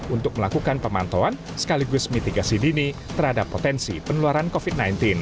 untuk melakukan pemantauan sekaligus mitigasi dini terhadap potensi penularan covid sembilan belas